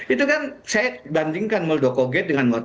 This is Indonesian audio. itu kan saya bandingkan muldoko gain dengan watergate